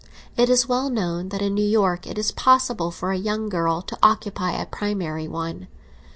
It is well known that in New York it is possible for a young girl to occupy a primary one.